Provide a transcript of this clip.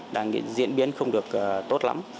đang diễn biến không được tốt lắm